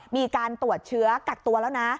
มีการตรวจเชื้อกักตัวแล้วนะ